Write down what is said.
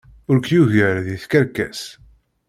Ur k-yugar deg tkerkas.